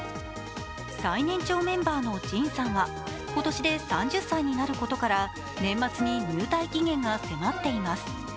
最年長メンバーのＪＩＮさんは今年で３０歳になることから、年末に入隊期限が迫っています。